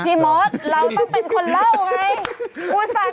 พี่มอดเราต้องเป็นคนเล่าไงอุตส่าห์เกลิ่น